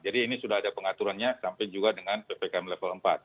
jadi ini sudah ada pengaturannya sampai juga dengan ppkm level empat